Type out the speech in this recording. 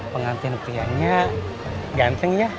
pengantin prianya ganteng ya